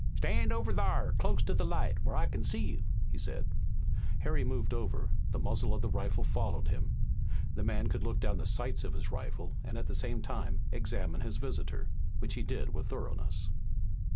"Stand over thar, close to the light, whar I kin see you," he said. Harry moved over, and the muzzle of the rifle followed him. The man could look down the sights of his rifle and at the same time examine his visitor, which he did with thoroughness.